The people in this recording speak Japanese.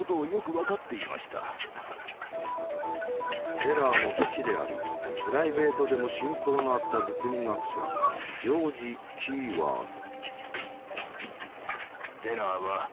テラーの弟子でありプライベートでも親交のあった物理学者ジョージ・キーワース。